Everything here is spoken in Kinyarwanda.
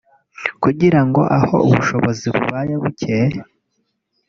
kugira ngo aho ubushobozi bubaye buke